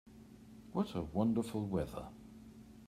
What a wonderful weather!